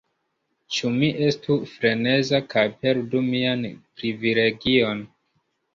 Ĉu mi estu freneza kaj perdu mian privilegion?